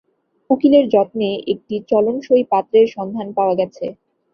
উকিলের যত্নে একটি চলনসই পাত্রের সন্ধান পাওয়া গেছে।